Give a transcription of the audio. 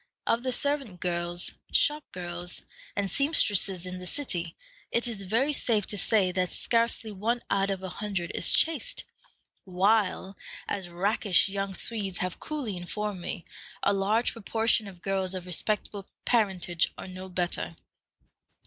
Of the servant girls, shop girls, and seamstresses in the city, it is very safe to say that scarcely one out of a hundred is chaste, while, as rakish young Swedes have coolly informed me, a large proportion of girls of respectable parentage are no better.